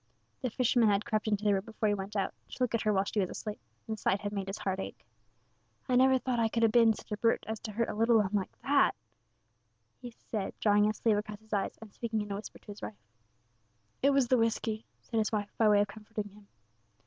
The fisherman had crept into the room before he went out, to look at her while she was asleep, and the sight had made his heart ache. "I never thought I could ha' been such a brute as to hurt a little 'un like that," he said, drawing his sleeve across his eyes, and speaking in a whisper to his wife. "It was the whisky," said his wife, by way of comforting him.